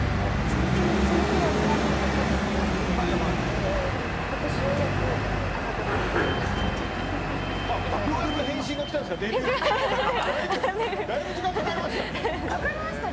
でも、そのころは何の音沙汰もなく今年、ようやく朝ドラに出させていただきました。